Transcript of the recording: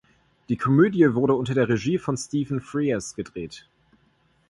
Die Komödie wurde unter der Regie von Stephen Frears gedreht.